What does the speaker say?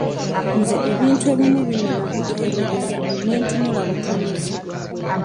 Nze ebintu ebimu binnema okuteebereza ne ntunula butunuzi.